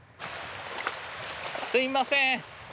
すみません。